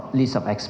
adalah sebuah list